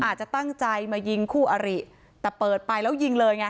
อาจจะตั้งใจมายิงคู่อริแต่เปิดไปแล้วยิงเลยไง